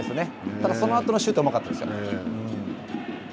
ただ、そのあとのシュートはうまかったですよ。